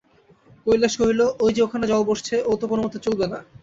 কৈলাস কহিল, ঐ-যে ওখানে জল বসছে, ও তো কোনোমতে চলবে না।